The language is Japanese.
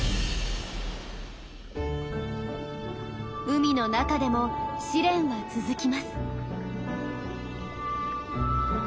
海の中でも試練は続きます。